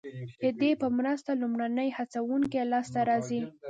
ددې په مرسته لومړني هڅوونکي لاسته راځي.